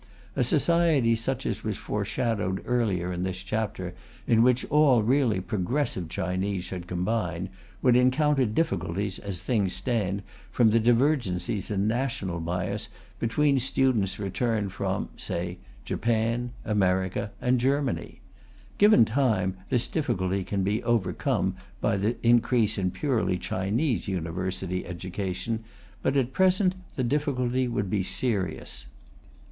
A society such as was foreshadowed earlier in this chapter, in which all really progressive Chinese should combine, would encounter difficulties, as things stand, from the divergencies in national bias between students returned from (say) Japan, America and Germany. Given time, this difficulty can be overcome by the increase in purely Chinese university education, but at present the difficulty would be serious.